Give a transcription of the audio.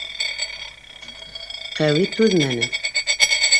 Ҡәүи түҙмәне: